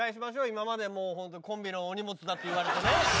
今までもうホントコンビのお荷物だって言われてねえ。